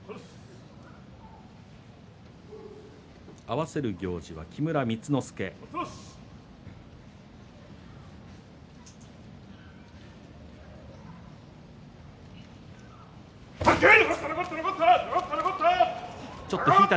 合わせる行司は木村光之助です。